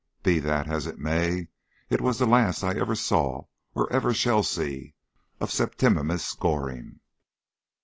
Be that as it may, it was the last that I ever saw or ever shall see of Septimius Goring.